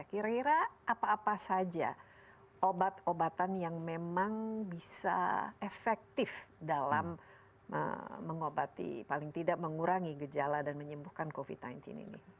kira kira apa apa saja obat obatan yang memang bisa efektif dalam mengobati paling tidak mengurangi gejala dan menyembuhkan covid sembilan belas ini